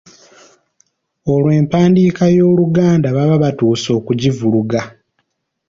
Olwo empandiika y'Oluganda baba batuuse okugivuluga.